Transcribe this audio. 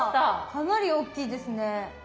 かなり大きいですね。